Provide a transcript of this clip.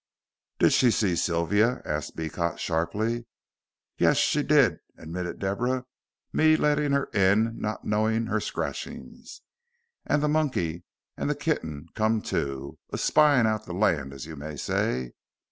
"Did she see Sylvia?" asked Beecot, sharply. "Yuss, she did," admitted Deborah, "me lettin' her in not knowin' her scratchin's. An' the monkey an' the kitting come too a spyin' out the land as you may say.